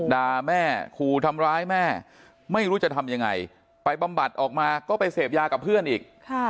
ด่าแม่ขู่ทำร้ายแม่ไม่รู้จะทำยังไงไปบำบัดออกมาก็ไปเสพยากับเพื่อนอีก